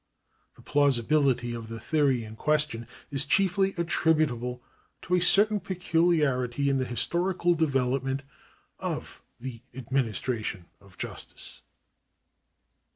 The plausibihty of the theory in question is chiefly attri butable to a certain peculiarity in the historical development of the administration of justice.